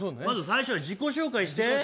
まず最初は自己紹介して。